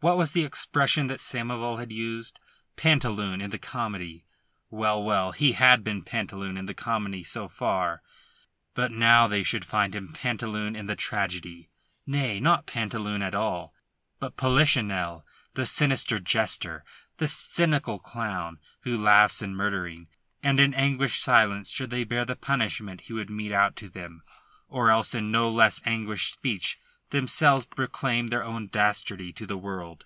What was the expression that Samoval had used Pantaloon in the comedy? Well, well! He had been Pantaloon in the comedy so far. But now they should find him Pantaloon in the tragedy nay, not Pantaloon at all, but Polichinelle, the sinister jester, the cynical clown, who laughs in murdering. And in anguished silence should they bear the punishment he would mete out to them, or else in no less anguished speech themselves proclaim their own dastardy to the world.